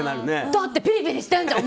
だってピリピリしてんじゃん！